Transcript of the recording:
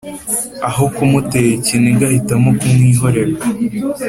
aho kumutera ikiniga, ahitamo kumwihorera.